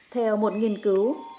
theo một nghiên cứu